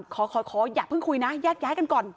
ขออย่าเพิ่งคุยนะแยกย้ายกันก่อน